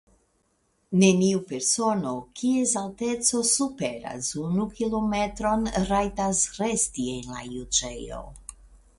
Neniu persono, kies alteco superas unu kilometron, rajtas resti en la juĝejo.